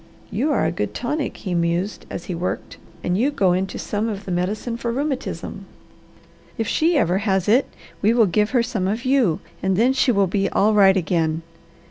"You are a good tonic," he mused as he worked, "and you go into some of the medicine for rheumatism. If she ever has it we will give her some of you, and then she will be all right again.